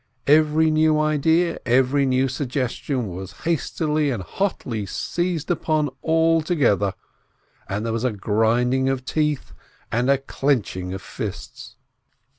Every new idea, every new suggestion was hastily and hotly seized upon by all together, and there was a grinding of teeth and a clenching of fists.